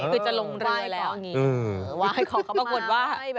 คือจะลงเรือแล้วเออว่ายของเขามาว่ายของเขามา